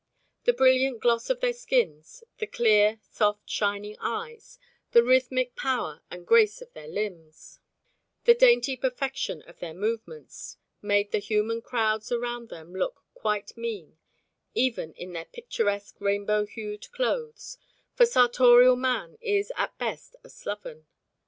The brilliant gloss of their skins, the clear, soft shining eyes, the rhythmic power and grace of their limbs, the dainty perfection of their movements, made the human crowds around them look quite mean, even in their picturesque rainbow hued clothes, for sartorial man is at best a sloven.